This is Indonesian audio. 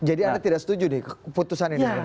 jadi anda tidak setuju keputusan ini